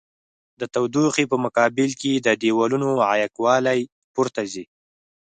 د تودوخې په مقابل کې د دېوالونو عایق والي پورته ځي.